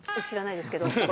知らないですけど。